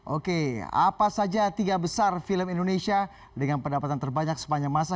oke apa saja tiga besar film indonesia dengan pendapatan terbanyak sepanjang masa